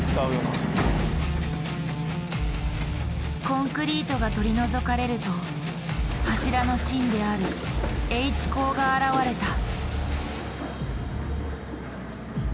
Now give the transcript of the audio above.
コンクリートが取り除かれると柱の芯であるＨ鋼が現れた。